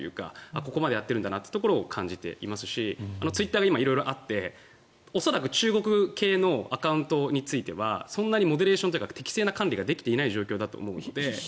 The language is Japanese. ここまでやっているなというところを感じていますしツイッターが今、色々あって恐らく中国系のアカウントについてはそんなにモデレーションというか適正な管理ができていないと思うので。